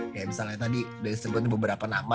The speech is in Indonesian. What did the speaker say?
kayak misalnya tadi disebut beberapa nama